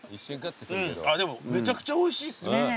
でもめちゃくちゃおいしいっすね。